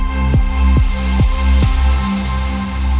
ติดตามตอนต่อไป